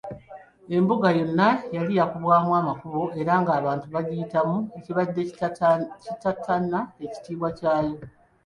Embuga yonna yali yakubwamu amakubo era nga abantu bagayitamu, ekibadde kittattana ekitiibwa kyayo.